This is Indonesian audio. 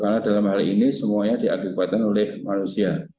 karena dalam hal ini semuanya diakibatkan oleh manusia